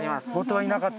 はい。